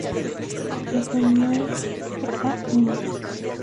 La de Buñuel era una.